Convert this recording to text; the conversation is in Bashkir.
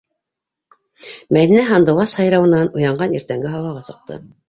Мәҙинә һандуғас һайрауынан уянған иртәнге һауаға сыҡты.